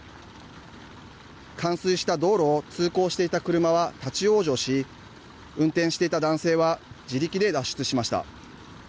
冠水した道路を通行していた車は立往生し運転していた男性は自力で脱出しました。